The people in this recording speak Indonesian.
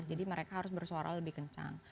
jadi mereka harus bersuara lebih kencang